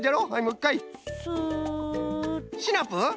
シナプー。